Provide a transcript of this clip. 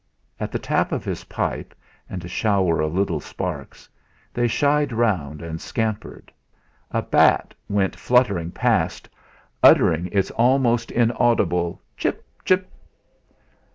At the tap of his pipe, and a shower of little sparks, they shied round and scampered. A bat went fluttering past, uttering its almost inaudible "chip, chip."